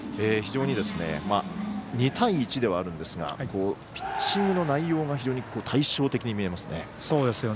非常に２対１ではあるんですがピッチングの内容が非常に対照的に見えますね。